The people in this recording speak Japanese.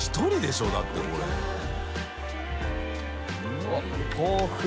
うわっ豊富。